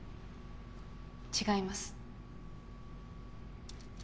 違います。